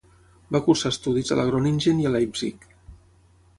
Va cursar estudis a la Groningen i a Leipzig.